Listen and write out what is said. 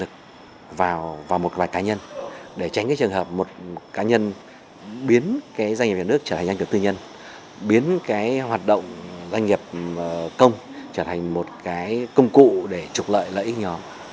các doanh nghiệp doanh nghiệp công trở thành một công cụ để trục lợi lợi ích nhóm